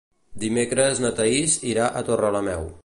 Dimecres na Thaís irà a Torrelameu.